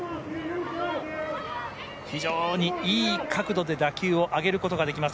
非常にいい角度で打球を上げることができます